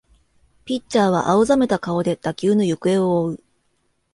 ピッチャーは青ざめた顔で打球の行方を追う